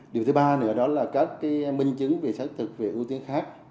điều thứ ba nữa đó là các minh chứng về xác thực về ưu tiên khác